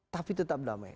tapi tetap damai